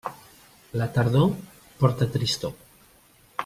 La tardor porta tristor.